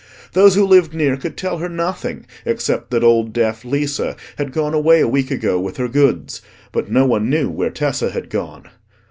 Those who lived near could tell her nothing except that old deaf Lisa had gone away a week ago with her goods, but no one knew where Tessa had gone.